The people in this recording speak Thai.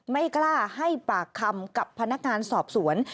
ไม่กล้าให้ปากคำกับพนักงานสอบสวน